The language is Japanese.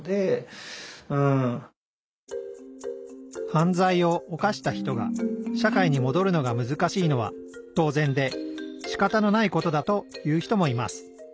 犯罪を犯した人が社会にもどるのがむずかしいのは当然でしかたのないことだと言う人もいます。